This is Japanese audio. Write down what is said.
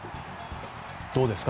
どうですか？